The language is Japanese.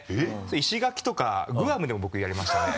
石垣とかグアムでも僕言われましたね。